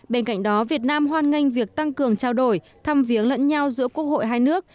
bên cạnh đó việt nam hoan nghênh việc tăng cường trao đổi thăm viếng lẫn nhau giữa quốc hội hai nước